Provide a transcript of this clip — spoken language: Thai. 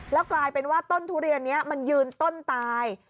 แล้วกลายเป็นว่าต้นทุเรียนนี้มันยืนต้นตาย